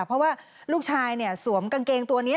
เพราะว่าลูกชายสวมกางเกงตัวนี้